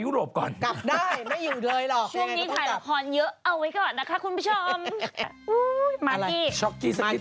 ชอบเหมือนผู้หนุ่มกัญชัย